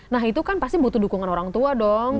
nah itu kan pasti butuh dukungan orang tua dong